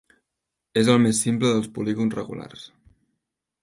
És el més simple dels polígons regulars.